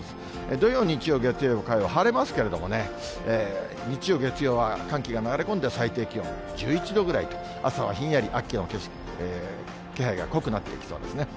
土曜、日曜、月曜、火曜、晴れますけどね、日曜、月曜は寒気が流れ込んで最高気温、１１度ぐらいと、朝はひんやり秋の気配が濃くなっていきそうですね。